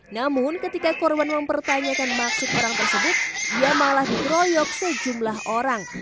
namun ketika korban mempertanyakan maksud orang tersebut ia malah dikeroyok sejumlah orang